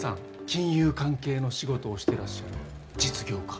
金融関係の仕事をしてらっしゃる実業家。